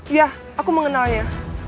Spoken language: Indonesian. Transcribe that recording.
iya aku mengenalnya